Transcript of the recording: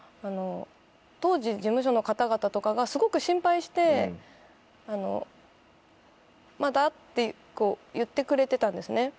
当時事務所の方々とかがすごく心配して「まだ？」って言ってくれてたんですね。